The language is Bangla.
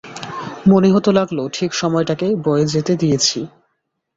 মনে হতে লাগল ঠিক সময়টাকে বয়ে যেতে দিয়েছি।